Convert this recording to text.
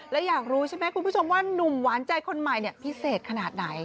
และอยากรู้ใช่ไหมคุณผู้ชมว่านุ่มหวานใจคนใหม่พิเศษขนาดไหน